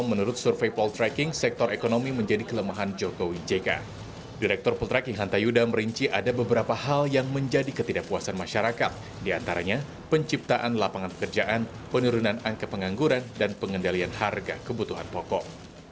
penurunan angka pengangguran dan pengendalian harga kebutuhan pokok